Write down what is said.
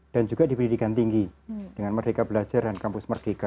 dan juga di pendidikan tinggi dengan merdeka belajar dan kampus merdeka